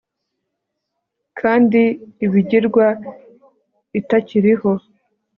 kandi ibigirwa itakiriho